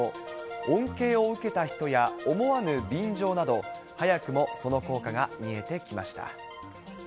恩恵を受けた人や思わぬ便乗など、早くもその効果が見えてきました。